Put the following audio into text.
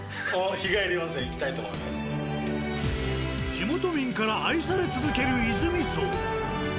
地元民から愛され続けるいづみ荘。